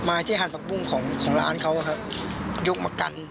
ไม้ที่หันปากบุ้งของร้านเขาครับ